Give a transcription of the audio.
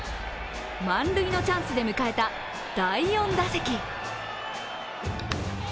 満塁のチャンスで迎えた第４打席。